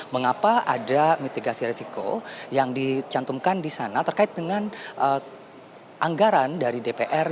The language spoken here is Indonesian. mengapa ada mitigasi resiko yang dicantumkan di sana terkait dengan anggaran dari dpr